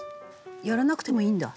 やらなくてもいいんだ？